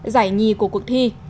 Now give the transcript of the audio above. giải nhì của cuộc thi